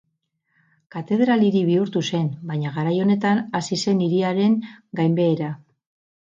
Katedral-hiri bihurtu zen, baina garai honetan hasi zen hiriaren gainbehera.